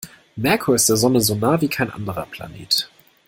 Merkur ist der Sonne so nah wie kein anderer Planet.